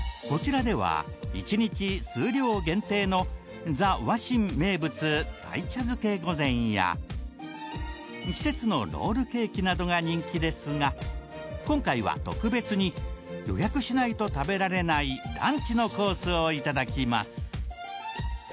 こちらでは一日数量限定のＴＨＥＷＡＳＨＩＮ名物鯛茶漬け御膳や季節のロールケーキなどが人気ですが今回は特別に予約しないと食べられないランチのコースをいただきます